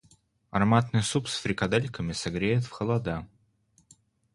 Ароматный суп с фрикадельками согреет в холода.